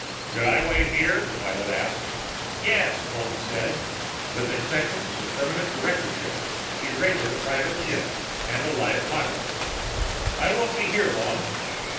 "Should I wait here?" the pilot asked. "Yes," Walton said. With accession to the permanent directorship he rated a private ship and a live pilot. "I won't be here long."